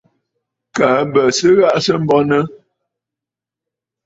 Kaa bì ghàʼà sɨ̀ bɔŋə̀.